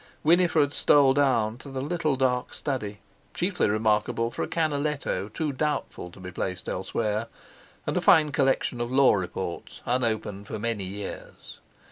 Winifred stole down to the little dark study, chiefly remarkable for a Canaletto too doubtful to be placed elsewhere, and a fine collection of Law Reports unopened for many years.